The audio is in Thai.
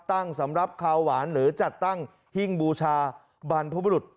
สำหรับคาวหวานหรือจัดตั้งหิ้งบูชาบรรพบุรุษ